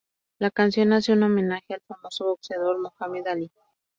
La canción hace un homenaje al famoso boxeador Muhammad Ali.